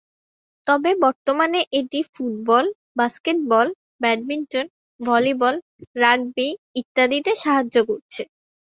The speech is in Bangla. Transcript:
তবে বর্তমানে এটি football, basketball, badminton, volleyball, rugby ইত্যাদিতে সাহায্য করছে।